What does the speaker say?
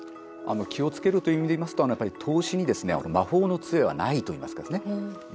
気を付けるという意味でいいますと、やはり投資に魔法のつえはないといいますかね。